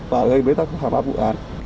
và gây bế tắc khám phá vụ án